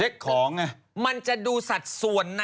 เช็คของมันจะดูสัดส่วน